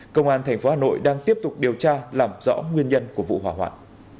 công an tp hà nội đang tiếp tục điều tra làm rõ nguyên nhân của vụ hỏa hoạn